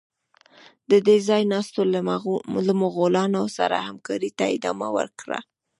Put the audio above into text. د ده ځای ناستو له مغولانو سره همکارۍ ته ادامه ورکړه.